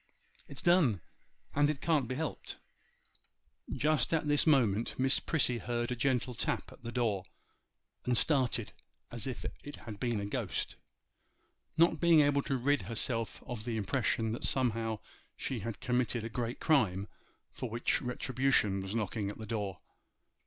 it's done, and can't be helped.' Just at this moment Miss Prissy heard a gentle tap at the door, and started as if it had been a ghost—not being able to rid herself of the impression that somehow she had committed a great crime, for which retribution was knocking at the door.